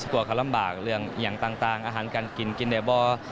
กลัวเขาลำบากเรื่องอย่างต่างอาหารการกินกินแต่บ่อ